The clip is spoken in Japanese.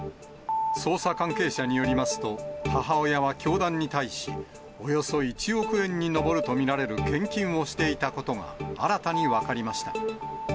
捜査関係者によりますと、母親は教団に対し、およそ１億円に上ると見られる献金をしていたことが、新たに分かりました。